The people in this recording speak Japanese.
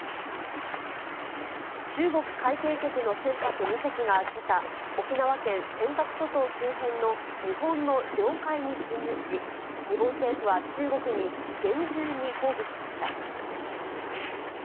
中国海警局の船舶２隻がけさ、沖縄県尖閣諸島周辺の日本の領海に侵入し、日本政府は中国に厳重に抗議しました。